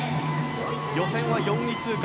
予選は４位通過。